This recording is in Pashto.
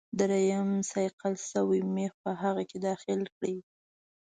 دریم صیقل شوی میخ په هغه کې داخل کړئ.